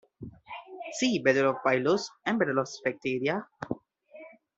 See Battle of Pylos and Battle of Sphacteria.